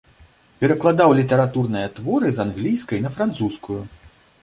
Перакладаў літаратурныя творы з англійскай на французскую.